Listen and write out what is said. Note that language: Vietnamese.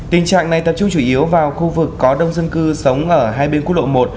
tình trạng này tập trung chủ yếu vào khu vực có đông dân cư sống ở hai bên quốc lộ một